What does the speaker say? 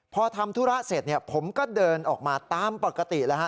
พอทำธุระเสร็จเนี่ยผมก็เดินออกมาตามปกติแล้วฮะ